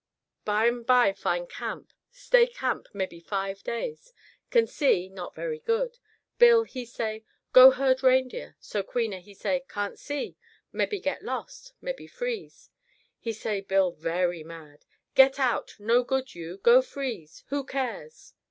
Bye'm bye find camp. Stay camp mebby five days. Can see, not very good. Bill, he say: 'Go herd reindeer,' So queena, he say: 'Can't see. Mebby get lost. Mebby freeze'. "He say Bill very mad. 'Get out! No good, you! Go freeze. Who cares?